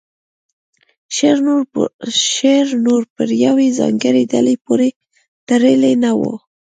شعر نور په یوې ځانګړې ډلې پورې تړلی نه و